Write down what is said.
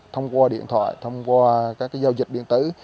thông qua điện thoại thông qua các giao dịch điện tử